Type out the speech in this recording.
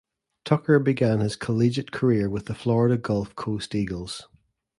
Tucker began his collegiate career with the Florida Gulf Coast Eagles.